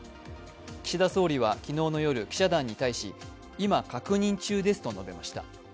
岸田総理は昨日の夜、記者団に対し今、確認中ですと述べました。